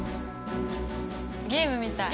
ゲームみたい。